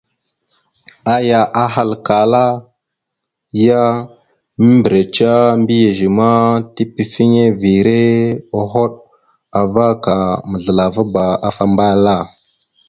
Aya ahalkala ya: « Membireca mbiyez ma, tepefiŋirava hoɗ ava ka mazləlavaba afa ambal a. ».